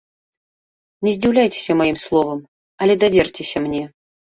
Не здзіўляйцеся маім словам, але даверцеся мне.